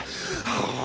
ああ。